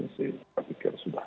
jadi saya pikir sudah